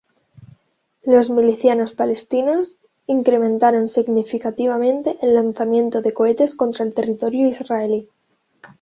Los milicianos palestinos incrementaron significativamente el lanzamiento de cohetes contra territorio israelí.